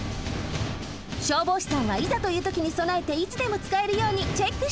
消防士さんはいざというときにそなえていつでもつかえるようにチェックしていたのね。